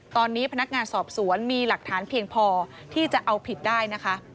ตอนนี้พนักงานสอบสวนมีหลักฐานเพียงพอที่จะเอาผิดได้นะคะ